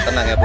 tenang ya bu